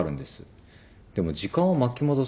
でも時間を巻き戻す。